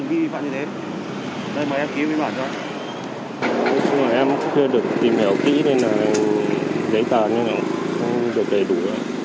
không được kể đủ